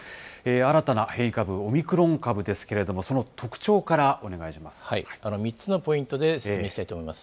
新たな変異株、オミクロン株ですけれども、その特徴からお願いし３つのポイントで説明したいと思います。